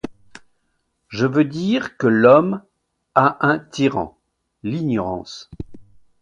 Je veux dire que l'homme a un tyran, l'ignorance.